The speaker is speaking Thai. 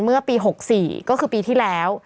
เมื่อปี๖๔ก็คือปีที่แล้ว